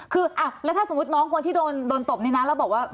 อ๋อคืออ่ะแล้วถ้าสมมุติน้องคนที่โดนโดนตบในนั้นแล้วบอกว่า